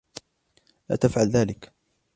لا تفعل ذلك!